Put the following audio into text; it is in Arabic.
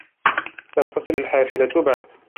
لم تصل الحافلة بعد.